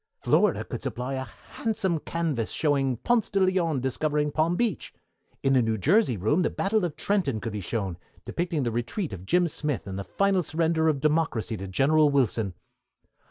Florida could supply a handsome canvas showing Ponce de Leon discovering Palm Beach. In the New Jersey room the Battle of Trenton could be shown, depicting the retreat of Jim Smith, and the final surrender of Democracy to General Wilson.